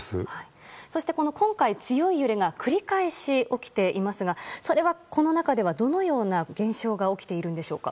そして今回、強い揺れが繰り返し起きていますがそれは、この中ではどのような現象が起きているんでしょうか。